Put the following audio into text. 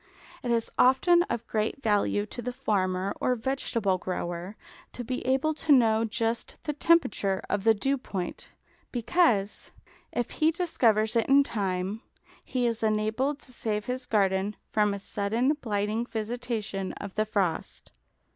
It is often of great value to the farmer or vegetable grower to be able to know just the temperature of the dew point, because, if he discovers it in time, he is enabled to save his garden from a sudden blighting visitation of the frost.